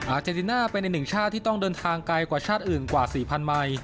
เจนติน่าเป็นอีกหนึ่งชาติที่ต้องเดินทางไกลกว่าชาติอื่นกว่า๔๐๐ไมค์